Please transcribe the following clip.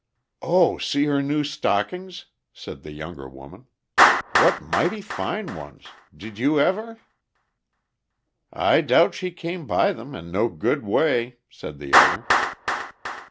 "Oh, see her new stockings!" said the younger woman. "What mighty fine ones! Did you ever?" "I doubt she came by them in no good way," said the other.